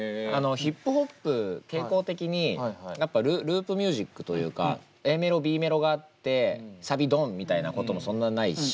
ヒップホップ傾向的にやっぱループミュージックというかＡメロＢメロがあってサビどん！みたいなこともそんなにないし。